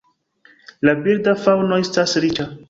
La birda faŭno estas riĉa.